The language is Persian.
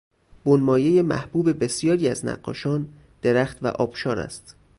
بنمایهی محبوب بسیاری از نقاشان، درخت و آبشار است.